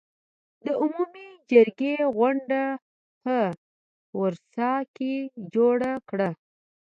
د عمومي جرګې غونډه په ورسا کې جوړه کړه.